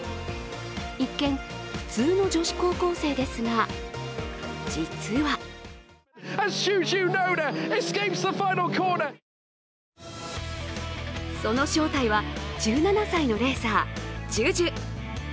一見、普通の女子高校生ですが実はその正体は１７歳のレーサー、Ｊｕｊｕ。